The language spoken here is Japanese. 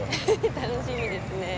楽しみですね